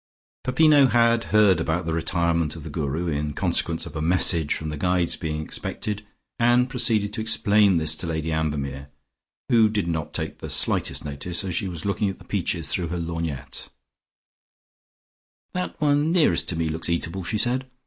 Peppino had heard about the retirement of the Guru, in consequence of a message from the Guides being expected, and proceeded to explain this to Lady Ambermere, who did not take the slightest notice, as she was looking at the peaches through her lorgnette. "That one nearest me looks eatable," she said.